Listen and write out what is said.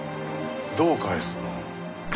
どう返すの？